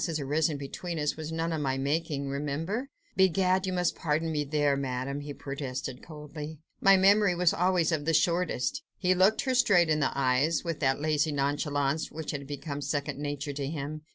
has arisen between us, was none of my making, remember." "Begad! you must pardon me there, Madame!" he protested coldly, "my memory was always of the shortest." He looked her straight in the eyes, with that lazy nonchalance which had become second nature to him.